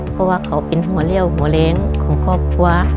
เพราะว่าเขาเป็นหัวเลี่ยวหัวแรงของครอบครัว